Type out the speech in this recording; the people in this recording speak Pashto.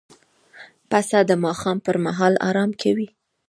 پسه د ماښام پر مهال آرام کوي.